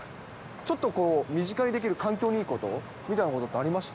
ちょっと身近にできる環境にいいことみたいなことって、ありまし